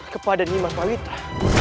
kepada nimas bawitra